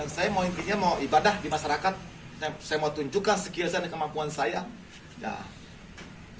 saya mau ibadah di masyarakat saya mau tunjukkan sekiranya ini kemampuan saya